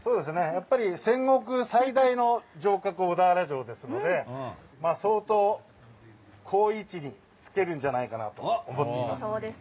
やっぱり、戦国最大の城郭小田原城ですので相当、好位置につけるんじゃないかと思います。